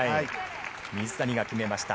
水谷が決めました。